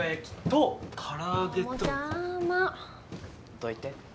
どいて。